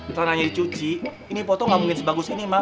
selananya dicuci ini foto gak mungkin sebagus ini mak